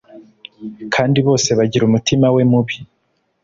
Kandi bose bagira umutima we mubi